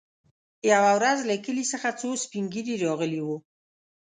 يوه ورځ له کلي څخه څو سپين ږيري راغلي وو.